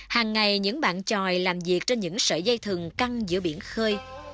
hàng ngày những bạn tròi làm việc trên những sợi dây thừng căng giữa biển khơi